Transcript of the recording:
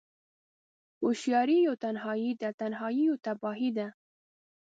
هوشیاری یوه تنهایی ده، تنهایی یوه تباهی ده